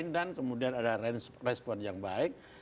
dan kemudian ada respon yang baik